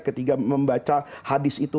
ketika membaca hadis itu